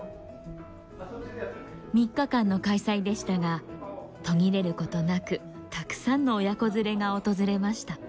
３日間の開催でしたが途切れることなくたくさんの親子連れが訪れました。